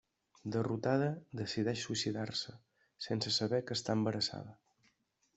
Derrotada, decideix suïcidar-se, sense saber que està embarassada.